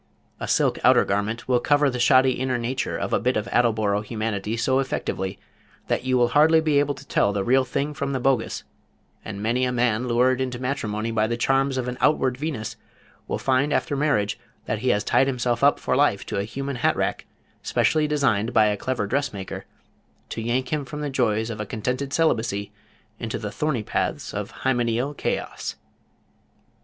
A silk outer garment will cover the shoddy inner nature of a bit of attleboro humanity so effectively that you will hardly be able to tell the real thing from the bogus, and many a man lured into matrimony by the charms of an outward Venus, will find after marriage that he has tied himself up for life to a human hat rack, specially designed by a clever dressmaker, to yank him from the joys of a contented celibacy into the thorny paths of hymeneal chaos.